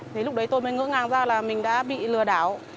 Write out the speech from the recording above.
thì lúc đấy tôi mới ngỡ ngàng ra là mình đã bị lừa đảo